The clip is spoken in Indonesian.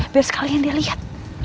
biar sekalian dia lihat